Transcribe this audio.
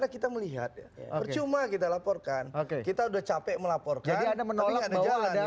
kita melihat percuma kita laporkan oke kita udah capek melaporkan ada menolak bahwa ada